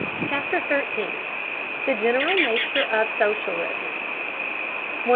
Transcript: CHAPTER XIII THE GENERAL NATURE OF SOCIALISM 121.